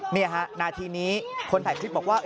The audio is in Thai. นี่ฮะนาทีนี้คนถ่ายคลิปบอกว่า